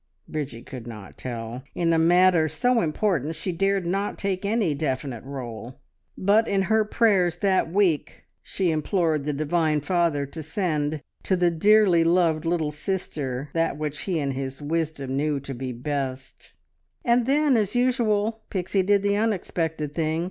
Bridgie could not tell. In a matter so important she dared not take any definite role, but in her prayers that week she implored the Divine Father to send to the dearly loved little sister that which He in His wisdom knew to be best. And then, as usual, Pixie did the unexpected thing.